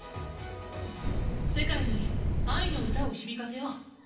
世界に「愛のうた」を響かせよう。